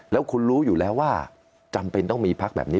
แล้วคุณรู้อยู่แล้วว่าจำเป็นต้องมีพักแบบนี้